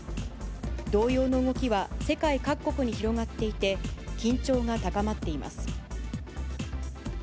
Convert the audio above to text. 同様の動きは世界各国に広がっていて、緊張が高まっています。